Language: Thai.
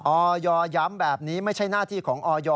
ออยย้ำแบบนี้ไม่ใช่หน้าที่ของออย